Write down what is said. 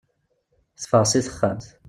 Teffeɣ seg texxamt.